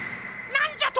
なんじゃと！